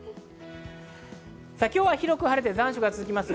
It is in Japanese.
今日は広く晴れて残暑が続きます。